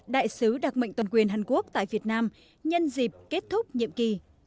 đại sứ đặc mệnh toàn quyền hàn quốc tại việt nam nhân dịp kết thúc nhiệm kỳ